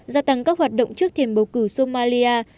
gia tăng các hoạt động trước thềm bầu cử somali